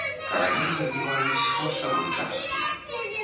Карані загніваюць з хваставой часткі.